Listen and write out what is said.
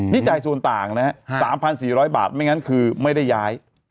นี่จ่ายส่วนต่างนะฮะ๓๔๐๐บาทไม่งั้นคือไม่ได้ย้าย